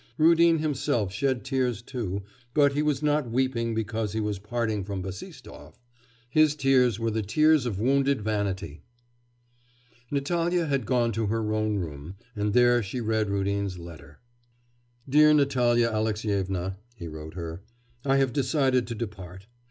Rudin himself shed tears too, but he was not weeping because he was parting from Bassistoff. His tears were the tears of wounded vanity. Natalya had gone to her own room, and there she read Rudin's letter. 'Dear Natalya Alexyevna,' he wrote her, 'I have decided to depart.